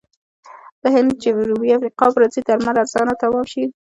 د هند، جنوبي افریقې او برازیل درمل ارزانه تمام شي.